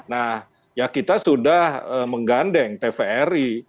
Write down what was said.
nah ya kita sudah menggandeng tvri